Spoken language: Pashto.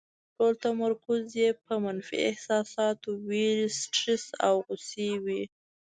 ټول تمرکز یې په منفي احساساتو، وېرې، سټرس او غوسې وي.